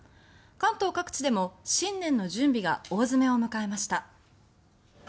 関東各地でも新年の準備が大詰めを迎えました。